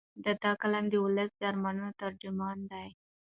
د ده قلم د ولس د ارمانونو ترجمان دی.